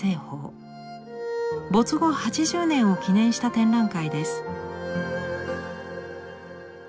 没後８０年を記念した展覧会です。